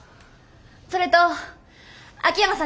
それと秋山さん